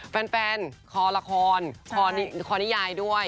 คอละครคอนิยายด้วย